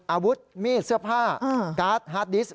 อาวุธมีดเสื้อผ้าการ์ดฮาร์ดดิสต